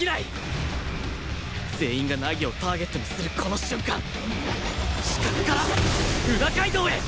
全員が凪をターゲットにするこの瞬間死角から裏街道へ！